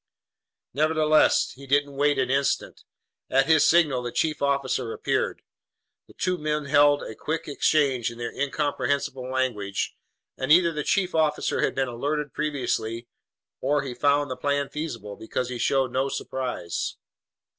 Nevertheless, he didn't waste an instant. At his signal, the chief officer appeared. The two men held a quick exchange in their incomprehensible language, and either the chief officer had been alerted previously or he found the plan feasible, because he showed no surprise.